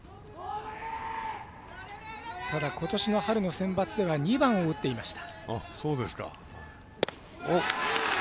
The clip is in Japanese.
ただ、ことしの春のセンバツでは２番を打っていました。